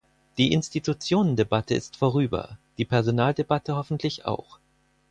Die Institutionendebatte ist vorüber, die Personaldebatte hoffentlich auch.